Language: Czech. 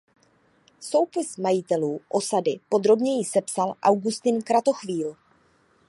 Soupis majitelů osady podrobněji sepsal Augustin Kratochvíl.